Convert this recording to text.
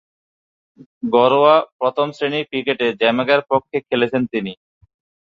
ঘরোয়া প্রথম-শ্রেণীর ক্রিকেটে জ্যামাইকার পক্ষে খেলেছেন তিনি।